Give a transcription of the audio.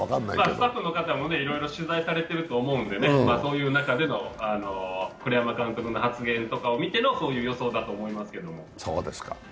スタッフの方もいろいろ取材されてると思うので、そういう中での栗山監督の発言とかを見てのそういう予想だと思いますけど。